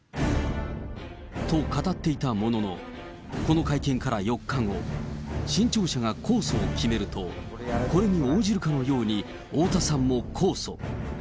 と語っていたものの、この会見から４日後、新潮社が控訴を決めると、これに応じるかのように太田さんも控訴。